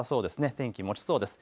天気、もちそうです。